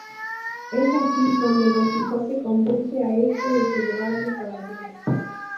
Es aquí donde Don Quijote convence a este de que lo arme caballero.